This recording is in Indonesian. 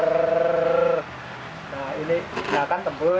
nah ini lihat kan tembus